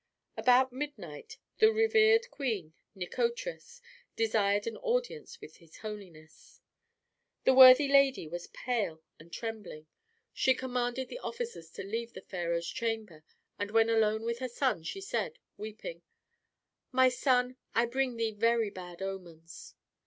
About midnight the revered queen, Nikotris, desired an audience of his holiness. The worthy lady was pale and trembling. She commanded the officers to leave the pharaoh's chamber, and when alone with her son she said, weeping, "My son, I bring thee very bad omens."